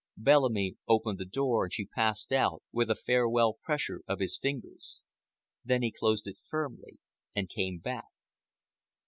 Bellamy opened the door and she passed out, with a farewell pressure of his fingers. Then he closed it firmly and came back.